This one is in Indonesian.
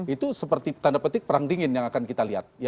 itu seperti tanda petik perang dingin yang akan kita lihat